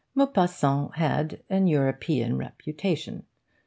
Maupassant had an European reputation.